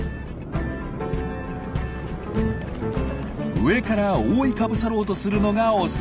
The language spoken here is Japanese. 上から覆いかぶさろうとするのがオス。